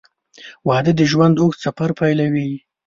• واده د ژوند اوږد سفر پیلوي.